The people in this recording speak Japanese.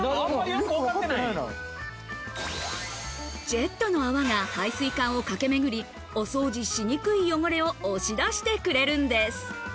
ジェットの泡が排水管を駆けめぐり、お掃除しにくい汚れを押し出してくれるんです。